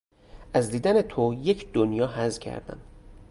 از دیدن تو یک دنیا حظ کردم!